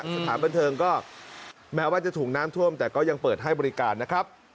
สถานบันเทิงก็แม้ว่าจะถูกน้ำท่วมแต่ก็ยังเปิดให้บริการนะครับ